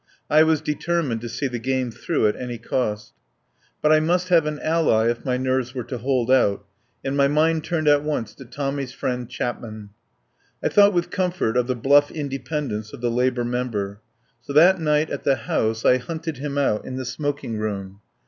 I was determined to see the game through at any cost. But I must have an ally if my nerves were to hold out, and my mind turned at once to Tommy's friend Chapman. I thought with comfort of the bluff independence of the La bour member. So that night at the House I hunted him out in the smoking room.